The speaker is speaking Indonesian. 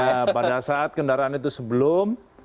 ya pada saat kendaraan itu sebelum